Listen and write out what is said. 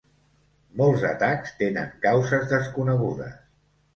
Molts atacs tenen causes desconegudes.